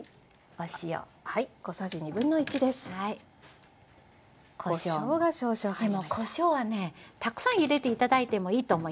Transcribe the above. でもこしょうはねたくさん入れて頂いてもいいと思いますので。